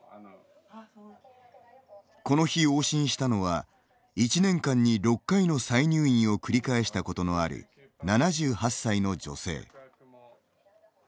この日、往診したのは１年間に６回の再入院を繰り返したことのある７８歳の女性。